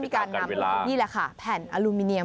การทำนี่ละค่ะแผ่นอะลูมิเนียม